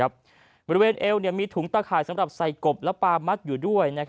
บริเวณเอวมีถุงตะข่ายสำหรับใส่กบและปลามัดอยู่ด้วย